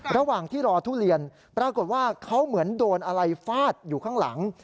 ระหว่างที่รอทุเรียนปรากฏว่าเขาเหมือนโดนอะไรฟาดอยู่ข้างหลัง